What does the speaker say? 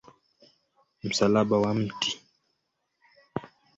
Msalaba wa Mt.